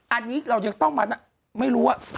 อันนี้เราจะต้องมานั่งไม่รู้อ่ะ